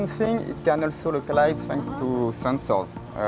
yang kedua bisa dikelilingi dengan sensor